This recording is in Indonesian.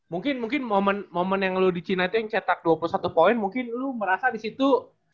mungkin mungkin momen yang lo di cina itu yang cetak dua puluh satu poin mungkin lo merasa di situ